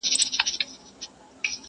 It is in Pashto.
o پر پوست سکه نه وهل کېږي!